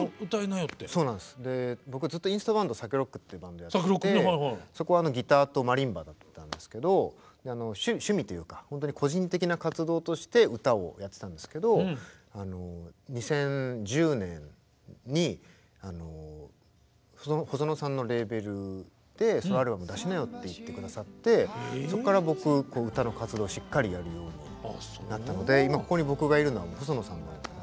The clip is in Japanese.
僕ずっとインストバンドＳＡＫＥＲＯＣＫっていうバンドやっててそこはギターとマリンバだったんですけど趣味というか本当に個人的な活動として歌をやってたんですけど２０１０年に細野さんのレーベルでソロアルバム出しなよって言って下さってそっから僕歌の活動をしっかりやるようになったのでそうですか。